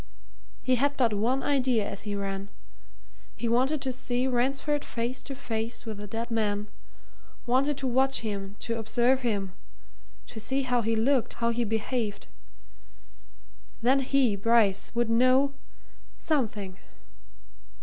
He had but one idea as he ran he wanted to see Ransford face to face with the dead man wanted to watch him, to observe him, to see how he looked, how he behaved. Then he, Bryce, would know something.